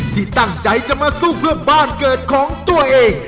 ที่ตั้งใจจะมาสู้เพื่อบ้านเกิดของตัวเอง